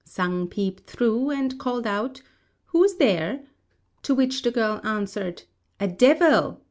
Sang peeped through, and called out, "Who's there?" to which the girl answered, "A devil!"